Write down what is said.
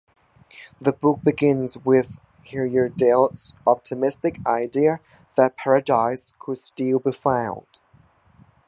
The book begins with Heyerdahl's optimistic idea that paradise could still be found.